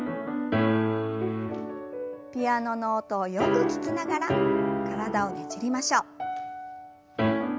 ピアノの音をよく聞きながら体をねじりましょう。